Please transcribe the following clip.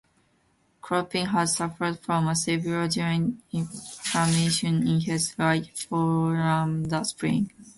Kolping had suffered from a severe joint inflammation in his right forearm that spring.